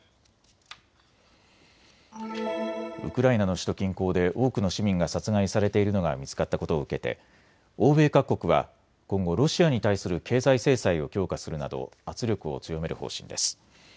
ウクライナの首都近郊で多くの市民が殺害されているのが見つかったことを受けて欧米各国は今後、ロシアに対する経済制裁を強化するなど圧力を強める方針です。